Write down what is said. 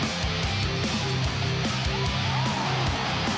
สวัสดีครับ